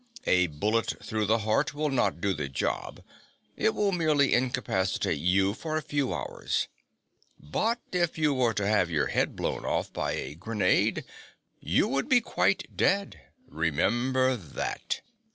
A bullet through the heart will not do the job; it will merely incapacitate you for a few hours. But if you were to have your head blown off by a grenade, you would be quite dead. Remember that."